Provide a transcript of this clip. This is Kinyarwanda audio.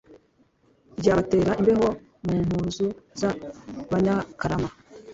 ryabatera imbeho mu mpuzu z'abanyakarama